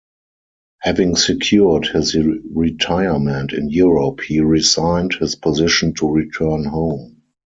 Having secured his retirement in Europe, he resigned his position to return home.